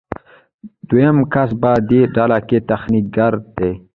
دریم کس په دې ډله کې تخنیکګر دی.